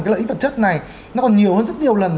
cái lợi ích vật chất này nó còn nhiều hơn rất nhiều lần